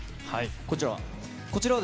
こちらは？